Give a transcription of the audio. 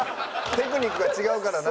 テクニックが違うからな。